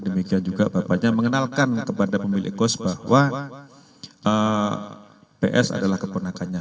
demikian juga bapaknya mengenalkan kepada pemilik kos bahwa ps adalah keponakannya